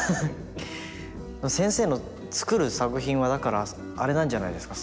先生の作る作品はだからあれなんじゃないですか